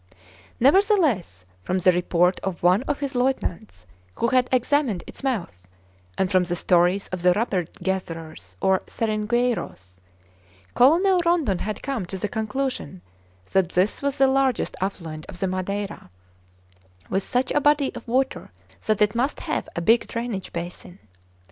Nevertheless, from the report of one of his lieutenants who had examined its mouth, and from the stories of the rubber gatherers, or seringueiros, Colonel Rondon had come to the conclusion that this was the largest affluent of the Madeira, with such a body of water that it must have a big drainage basin.